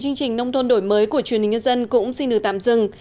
chương trình nông thôn đổi mới của truyền hình nhân dân cũng xin được tạm dừng